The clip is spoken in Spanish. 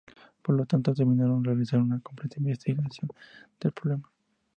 Por lo tanto, determinaron realizar una completa investigación del problema.